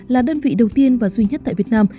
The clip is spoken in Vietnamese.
là đơn vị đầu tiên và duy nhất tại việt nam